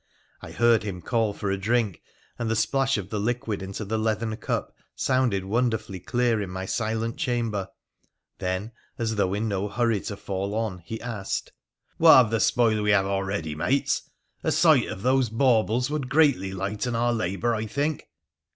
I heard him call for a drink, and the splash of the liquid into the leathern cup sounded wonderfully clear in my silent chamber ; then, as though in no hurry to fall on, he asked, ' What of the spoil we have already, mates ? A sight of those baubles would greatly lighten our labour, I think.'